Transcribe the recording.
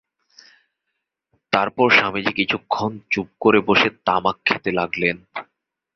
তারপর স্বামীজী কিছুক্ষণ চুপ করে বসে তামাক খেতে লাগলেন।